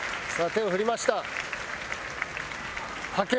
手を振りました。